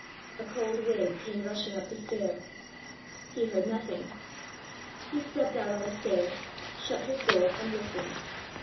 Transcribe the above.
A cold wind came rushing up the stair. He heard nothing. He stepped out on the stair, shut his door, and listened.